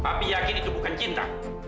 tapi yakin itu bukan cinta